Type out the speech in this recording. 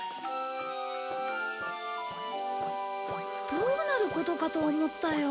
どうなることかと思ったよ。